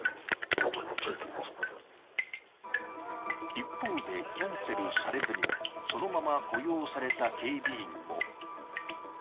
一方で、キャンセルされずにそのまま雇用された警備員も。